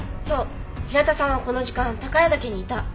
そう平田さんはこの時間宝良岳にいた。